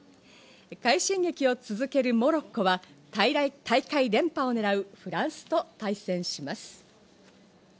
快進撃を続けるモロッコは大会連覇をねらうフランスと対戦します。